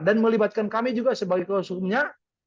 dan melibatkan kami juga sebagai klausurnya